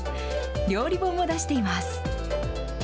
料理本を出しています。